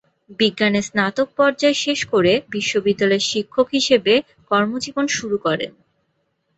বিজ্ঞানে স্নাতক পর্যায় শেষ করে বিদ্যালয়ের শিক্ষক হিসেবে কর্মজীবন শুরু করেন।